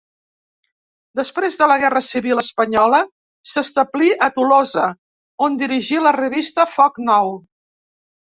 Després de la guerra civil espanyola s'establí a Tolosa, on dirigí la revista Foc Nou.